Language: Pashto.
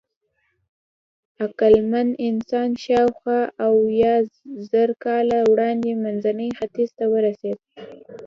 عقلمن انسان شاوخوا اویازره کاله وړاندې منځني ختیځ ته ورسېد.